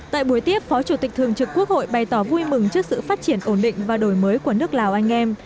tại buổi tiếp phó chủ tịch thường trực quốc hội bày tỏ vui mừng trước sự phát triển ổn định và đổi mới của nước lào anh em